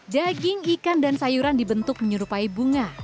daging ikan dan sayuran dibentuk menyerupai bunga